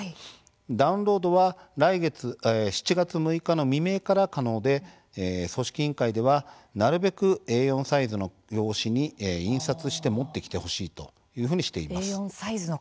ダウンロードは来月７月６日の未明から可能で組織委員会ではなるべくＡ４サイズの用紙に印刷して持ってきてほしいというふうにしています。